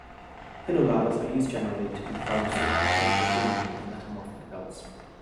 Pillow lavas are used generally to confirm subaqueous volcanism in metamorphic belts.